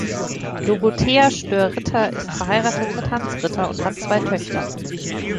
Dorothea Störr-Ritter ist verheiratet mit Hans Ritter und hat zwei Töchter.